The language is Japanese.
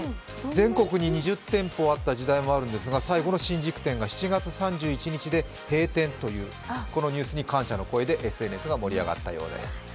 全国に２０店舗あった時代もあるんですが最後の新宿店が７月３１日で閉店という、このニュースに感謝の声でＳＮＳが盛り上がったようです。